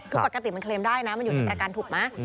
คือปกติมันเคลมได้นะมันอยู่ในประกันถูกไหม